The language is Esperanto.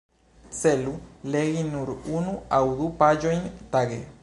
Celu legi nur unu aŭ du paĝojn tage.